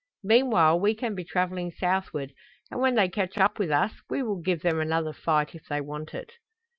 Meanwhile we can be traveling southward and when they catch up with us we will give them another fight if they want it."